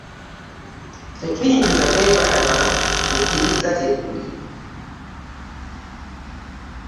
Tetuyinza kwebalama kukkiriza kye tuli.